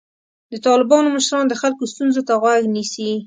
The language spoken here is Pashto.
د طالبانو مشران د خلکو ستونزو ته غوږ نیسي.